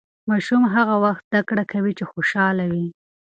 ماشوم هغه وخت زده کړه کوي چې خوشاله وي.